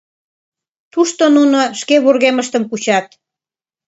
Тушто нуно шке вургемыштым кучат.